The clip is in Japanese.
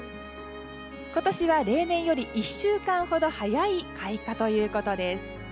今年は例年より１週間ほど早い開花ということです。